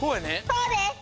そうです。